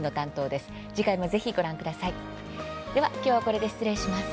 では、きょうはこれで失礼します。